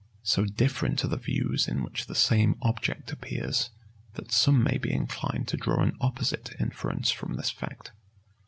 So different are the views in which the same object appears, that some may be inclined to draw an opposite inference from this fact.